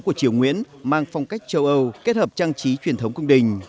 của triều nguyễn mang phong cách châu âu kết hợp trang trí truyền thống cung đình